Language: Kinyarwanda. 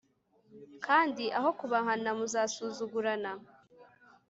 kandi aho kubahana, muzasuzugurana